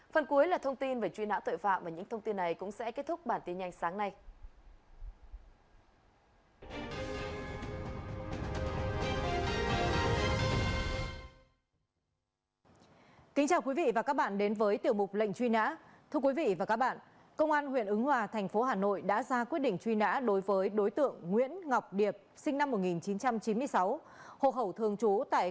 phần cuối là thông tin về truy nã tội phạm và những thông tin này cũng sẽ kết thúc bản tin nhanh sáng nay